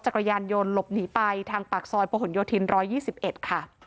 จากกระยานยนต์ลบหนีไปทางปากซอยประหลโยธินร้อยยี่สิบเอ็ดค่ะ